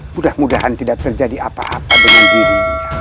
mudah mudahan tidak terjadi apa apa dengan diri